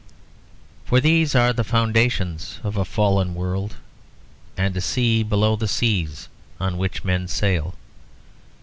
For these are the foundations of a fallen world, and a sea below the seas on which men sail.